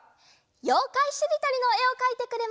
「ようかいしりとり」のえをかいてくれました。